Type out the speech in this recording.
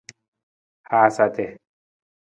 Haasa ati.